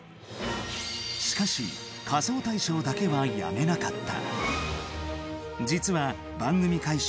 しかし、「仮装大賞」だけは辞めなかった。